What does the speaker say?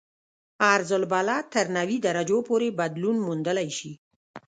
عرض البلد تر نوي درجو پورې بدلون موندلی شي